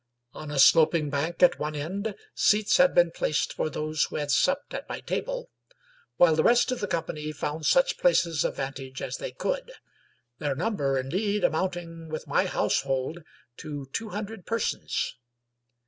On a sloping bank at one end seats had been placed for those who had supped at my table, while the rest of the company found such places of vantage as they could; their number, indeed, amounting, with my household, to two hundred persons.